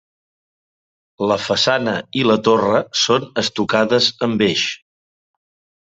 La façana i la torre són estucades en beix.